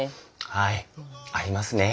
はいありますね。